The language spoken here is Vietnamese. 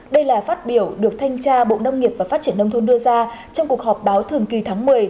đây là phát biểu được thanh tra bộ nông nghiệp và phát triển nông thôn đưa ra trong cuộc họp báo thường kỳ tháng một mươi